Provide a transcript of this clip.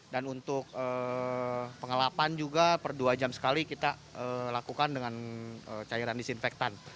dan untuk pengelapan juga per dua jam sekali kita lakukan dengan cairan disinfeksi